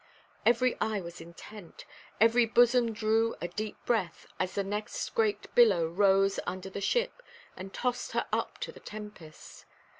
Every eye was intent, every bosom drew a deep breath, as the next great billow rose under the ship, and tossed her up to the tempest.